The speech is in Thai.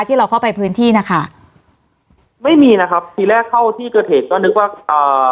ที่เราเข้าไปพื้นที่นะคะไม่มีนะครับทีแรกเข้าที่เกิดเหตุก็นึกว่าอ่า